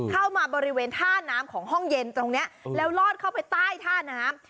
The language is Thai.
เข้ามาบริเวณท่าน้ำของห้องเย็นตรงนี้แล้วลอดเข้าไปใต้ท่าน้ำ